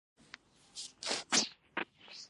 تکامل څه مانا لري؟